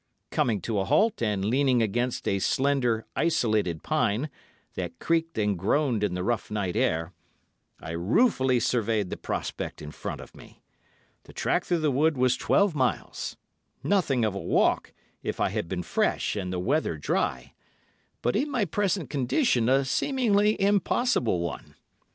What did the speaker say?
Coming to a halt, and leaning against a slender, isolated pine, that creaked and groaned in the rough night air, I ruefully surveyed the prospect in front of me. The track through the wood was twelve miles—nothing of a walk if I had been fresh and the weather dry, but in my present condition a seemingly impossible one.